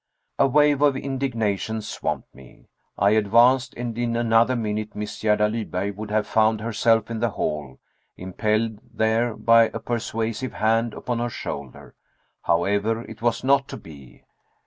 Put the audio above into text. A wave of indignation swamped me. I advanced, and in another minute Miss Gerda Lyberg would have found herself in the hall, impelled there by a persuasive hand upon her shoulder. However, it was not to be.